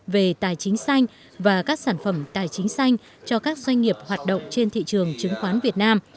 về tài chính xanh và các sản phẩm tài chính xanh cho các doanh nghiệp hoạt động trên thị trường chứng khoán việt nam